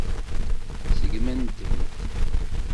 Seggmen-tent.